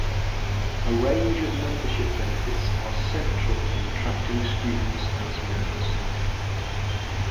A range of membership benefits are central in attracting students as members.